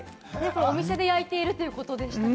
お店で焼いているということです。